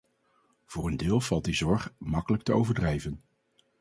Voor een deel valt die zorg makkelijk te overdrijven.